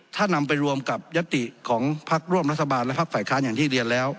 ถ้านำไปรวมกับยัตติของพักร่วมรัฐบาลและพักฝ่ายค้านอย่างที่เรียนแล้ว